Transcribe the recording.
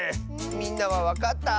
みんなはわかった？